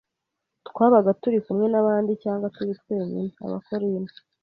twaba turi kumwe n abandi cyangwa turi twenyine Abakorinto